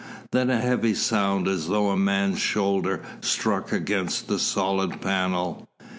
Then a heavy sound as though a man's shoulder struck against the solid panel.